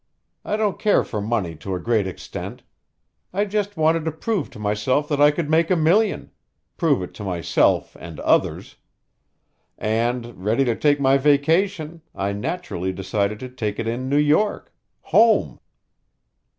I don't care for money to a great extent. I just wanted to prove to myself that I could make a million prove it to myself and others. And, ready to take my vacation, I naturally decided to take it in New York home!"